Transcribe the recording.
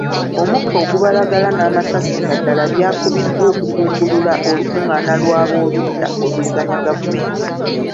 Omukka ogubalagala n'amasasi aga ddala byakubiddwa okugumbulula olukungaana lw'aboludda oluvuganya gavumenti.